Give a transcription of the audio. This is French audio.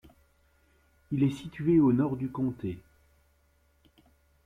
Il est situé au nord du comté.